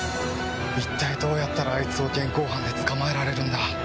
一体どうやったらあいつを現行犯で捕まえられるんだ。